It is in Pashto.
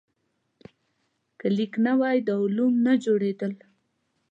که لیک نه وای، دا علوم نه جوړېدل.